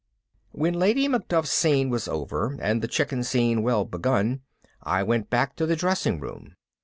When the Lady Macduff Scene was over and the Chicken Scene well begun, I went back to the dressing room.